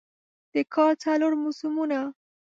د کال څلور موسمونه